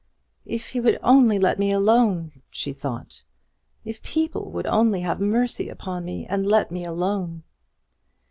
"If he would only let me alone!" she thought. "If people would only have mercy upon me and let me alone!"